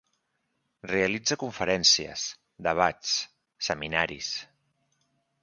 Realitza conferències, debats, seminaris.